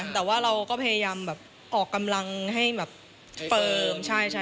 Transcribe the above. แต่ว่าเราก็พยายามออกกำลังให้เฟิร์ม